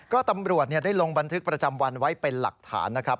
ก็ตำรวจได้ลงบันทึกประจำวันไว้เป็นหลักฐานนะครับ